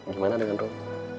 gimana dengan rom